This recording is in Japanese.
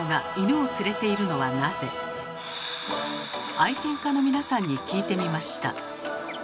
愛犬家の皆さんに聞いてみました。